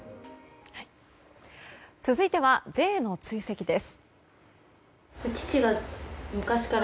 続いてはＪの追跡です。